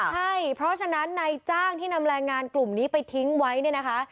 ใช่เพราะฉะนั้นนายจ้างที่นำแรงงานกลุ่มนี้ไปทิ้งไว้เนี่ยนะคะ